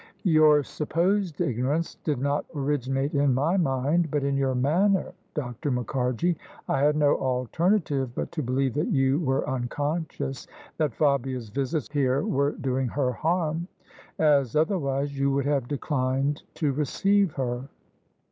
" Your supposed ignorance did not originate in my mind, but in your manner, Dr. Mukharji. I had no alternative but to believe that you were unconscious that Fabia's visits here were doing her harm, as otherwise you would have declined to receive her."